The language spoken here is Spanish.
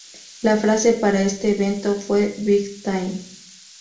La frase para este evento fue Big Time.